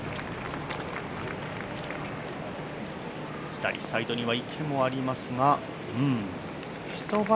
左サイドには池もありますが一番